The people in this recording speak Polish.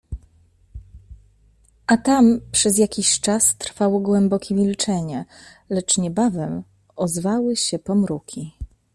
A tam przez jakiś czas trwało głębokie milczenie, lecz niebawem ozwały się pomruki.